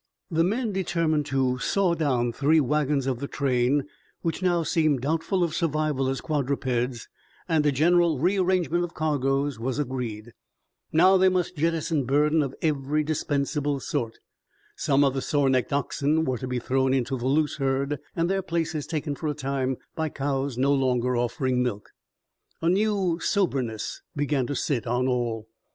The men determined to saw down three wagons of the train which now seemed doubtful of survival as quadrupeds, and a general rearrangement of cargoes was agreed. Now they must jettison burden of every dispensable sort. Some of the sore necked oxen were to be thrown into the loose herd and their places taken for a time by cows no longer offering milk. A new soberness began to sit on all.